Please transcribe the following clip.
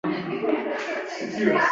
Erim tadbirkor.